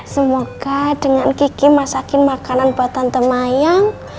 semoga dengan kiki masakin makanan buat tante mayang